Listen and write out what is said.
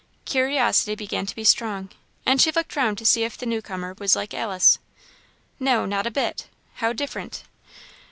Curiosity began to be strong, and she looked round to see if the new comer was like Alice. No, not a bit how different!